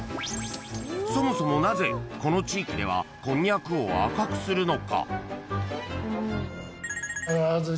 ［そもそもなぜこの地域ではこんにゃくを赤くするのか？］